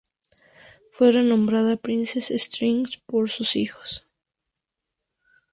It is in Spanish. Fue renombrada Princes Street por sus hijos.